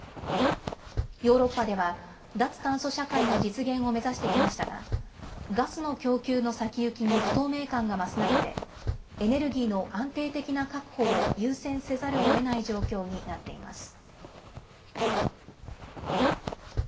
ヨーロッパでは脱炭素社会の実現を目指してきましたがガスの供給の先行きに不透明感が増す中でエネルギーの安定的な確保を優先せざるをえない状況になっています。